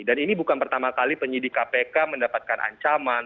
dan ini bukan pertama kali penyidik kpk mendapatkan ancaman